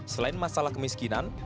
selain masalah kemiskinan